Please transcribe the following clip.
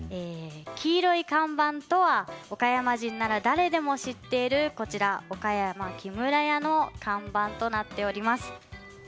黄色い看板とは岡山人なら誰でも知っている岡山木村屋の看板となっています。